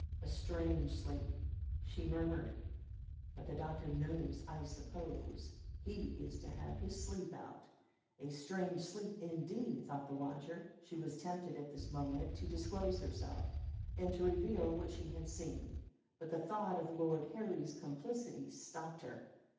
"A strange sleep," she murmured; "but the doctor knows, I suppose. He is to have his sleep out." "A strange sleep, indeed!" thought the watcher. She was tempted at this moment to disclose herself and to reveal what she had seen; but the thought of Lord Harry's complicity stopped her.